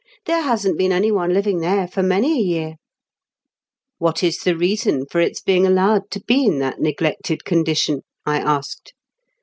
"There hasn^t been anyone liying there for many a year.* "What is the reason of its being allowed to be in that neglected condition ?'* I asked.